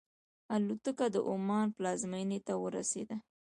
الوتکه د عمان پلازمینې ته ورسېده.